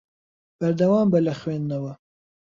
بەردەوام بە لە خوێندنەوە.